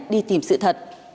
đi tìm sự thật